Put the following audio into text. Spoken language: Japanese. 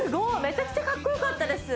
めちゃくちゃかっこよかったです